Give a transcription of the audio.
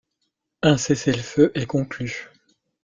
Un cessez-le-feu est conclu.